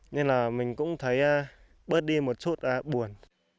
nên là mình cũng thấy bớt đi một chút buồn